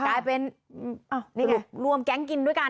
กลายเป็นนี่ไงรวมแก๊งกินด้วยกัน